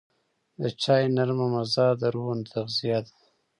د چای نرمه مزه د روح تغذیه ده.